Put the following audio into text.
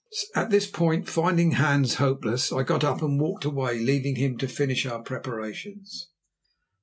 At this point, finding Hans hopeless, I got up and walked away, leaving him to finish our preparations.